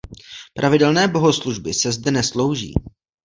Pravidelné bohoslužby se zde neslouží.